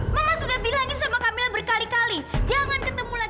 mama sudah bilangin sama kamilah berkata kata